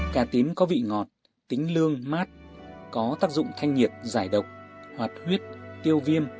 cá tím có vị ngọt tính lương mát có tác dụng thanh nhiệt giải độc hoạt huyết tiêu viêm